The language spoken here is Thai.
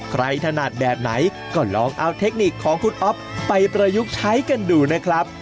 ขนาดแบบไหนก็ลองเอาเทคนิคของคุณอ๊อฟไปประยุกต์ใช้กันดูนะครับ